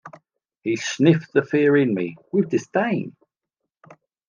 He sniffed the fear in me with disdain.